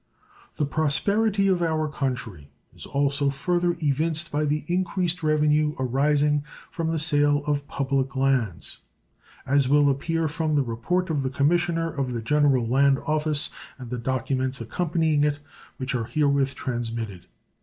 The prosperity of our country is also further evinced by the increased revenue arising from the sale of public lands, as will appear from the report of the Commissioner of the General Land Office and the documents accompanying it, which are herewith transmitted.